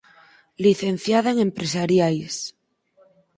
Licenciada en Empresariais.